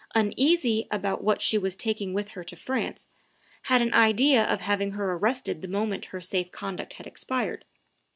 uneasy about what she was taking with her to France, had an idea of having her arrested the moment her safe conduct had expired.